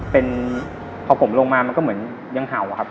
เป็นพอผมลงมามันก็เหมือนยังเห่าอะครับ